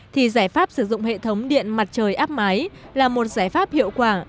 thì giải pháp sử dụng hệ thống điện mặt trời áp mái là một giải pháp hiệu quả